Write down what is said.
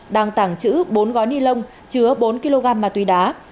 đang tàng trữ bốn gói ni lông chứa bốn kg ma túy đá